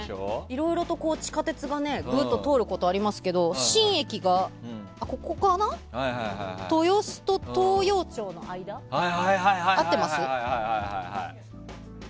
いろいろと地下鉄がぐーっと通ることありますけど新駅が豊洲と東陽町の間で合ってます？